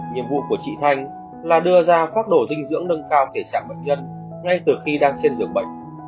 nhiệm vụ của chị thanh là đưa ra phát đổ dinh dưỡng nâng cao để chạm bệnh nhân ngay từ khi đang trên giường bệnh